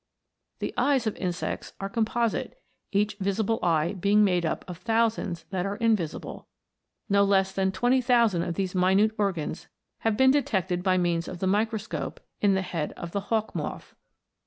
The eyes of insects are composite, each visible eye being made up of thousands that are invisible ; no less than twenty thousand of these minute organs have been detected by means of the microscope in the head of the hawk moth.